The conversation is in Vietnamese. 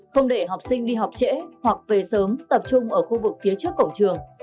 không để học sinh đi học trễ hoặc về sớm tập trung ở khu vực phía trước cổng trường